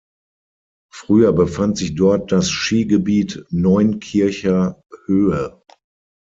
Früher befand sich dort das Skigebiet Neunkircher Höhe.